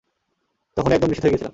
তখনি একদম নিশ্চিত হয়ে গিয়েছিলাম।